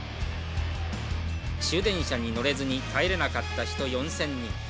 「終電車に乗れずに帰れなかった人４，０００人。